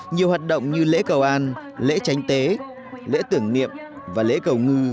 nhiều hoạt động như lễ cầu an lễ tránh tế lễ tưởng niệm và lễ cầu ngư